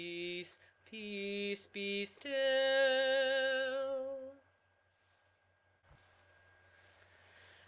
Peace, be still